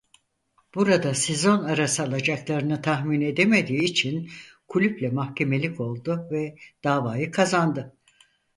Burada sezon arası alacaklarını tahmin edemediği için kulüple mahkemelik oldu ve davayı kazandı.